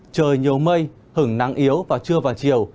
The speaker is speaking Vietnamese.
trời nhiều mây hứng nắng yếu vào trưa và chiều